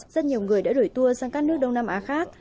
rất nhiều người đã đuổi tour sang các nước đông nam á khác